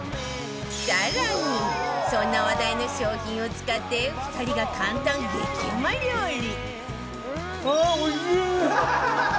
更にそんな話題の商品を使って２人が簡単激うま料理